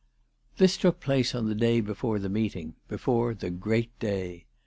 This took place on the day before the meeting, before the great day.